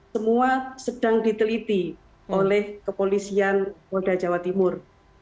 semua sedang diteliti oleh kepolisian polda jawa timur